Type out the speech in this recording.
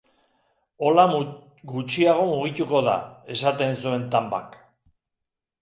Hola gutxiago mugituko da, esaten zuen Tanbak.